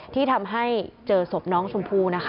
ที่ทำให้เจอศพน้องชมพู่นะคะ